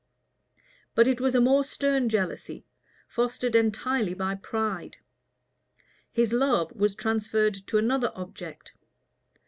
But it was a more stern jealousy, fostered entirely by pride: his love was transferred to another object.